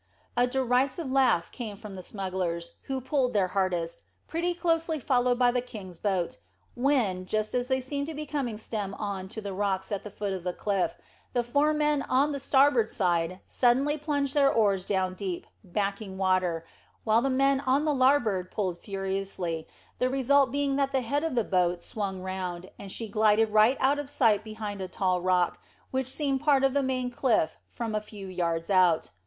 A derisive laugh came from the smugglers, who pulled their hardest, pretty closely followed by the king's boat, when, just as they seemed to be coming stem on to the rocks at the foot of the cliff, the four men on the starboard side suddenly plunged their oars down deep, backing water, while the men on the larboard pulled furiously, the result being that the head of the boat swung round, and she glided right out of sight behind a tall rock, which seemed part of the main cliff from a few yards out.